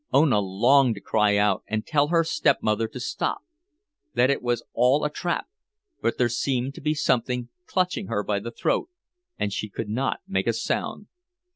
Ona longed to cry out and tell her stepmother to stop, that it was all a trap; but there seemed to be something clutching her by the throat, and she could not make a sound.